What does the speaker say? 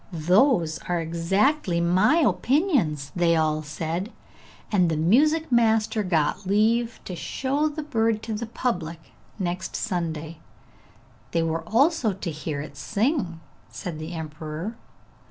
'Those are exactly my opinions,' they all said, and the music master got leave to show the bird to the public next Sunday. They were also to hear it sing, said the emperor.